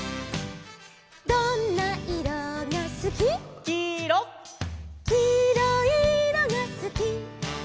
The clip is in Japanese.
「どんないろがすき」「」「きいろいいろがすき」